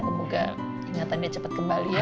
semoga ingatan dia cepat kembali ya